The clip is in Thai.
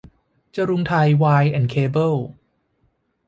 จรุงไทยไวร์แอนด์เคเบิ้ล